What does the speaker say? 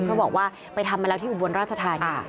เพราะบอกว่าไปทำมาแล้วที่อุบลราชธานี